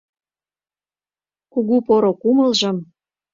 Кугу поро кумылжым